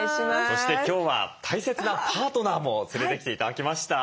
そして今日は大切なパートナーも連れてきて頂きました。